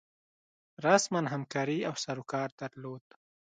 رسما همکاري او سروکار درلود.